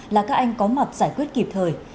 là các anh có mặt giải quyết kịp thời